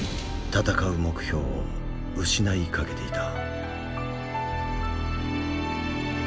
闘う目標を失いかけていた。